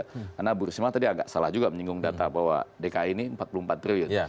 karena bu risma tadi agak salah juga menyinggung data bahwa dki ini empat puluh empat triliun